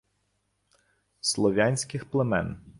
слов'янських племен